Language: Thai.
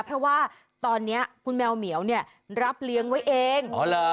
เพราะว่าตอนนี้คุณแมวเหมียวเนี่ยรับเลี้ยงไว้เอง